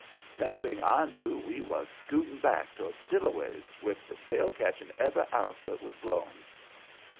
Next thing I knew we was scooting back towards Dillaway's, with the sail catching every ounce that was blowing.